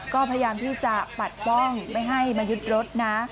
ก็พยายามที่จะปัดป้องไม่ให้มายึดรถนะ